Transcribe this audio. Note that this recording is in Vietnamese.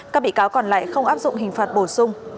các bị cáo còn lại không áp dụng hình phạt bổ sung